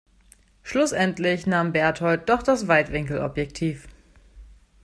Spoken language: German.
Schlussendlich nahm Bertold doch das Weitwinkelobjektiv.